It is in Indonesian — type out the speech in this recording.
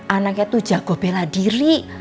anaknya itu jago bela diri